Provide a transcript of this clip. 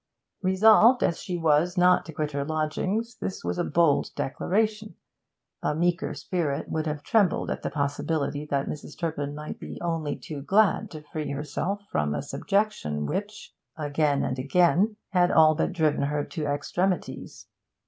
Resolved, as she was, not to quit her lodgings, this was a bold declaration. A meeker spirit would have trembled at the possibility that Mrs. Turpin might be only too glad to free herself from a subjection which, again and again, had all but driven her to extremities.